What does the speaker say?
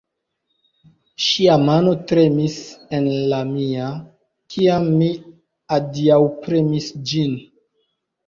Ŝia mano tremis en la mia, kiam mi adiaŭpremis ĝin!